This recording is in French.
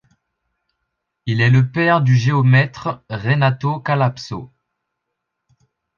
Il est le père du géomètre Renato Calapso.